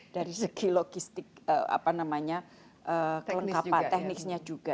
dari segi logistik kelengkapan teknisnya juga